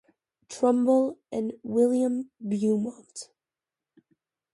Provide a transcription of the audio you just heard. Trumbull and William Beaumont.